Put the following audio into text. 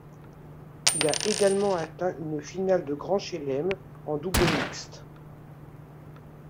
Il a également atteint une finale de Grand Chelem en double mixte.